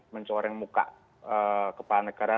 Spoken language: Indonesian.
mencoreng muka kepala negara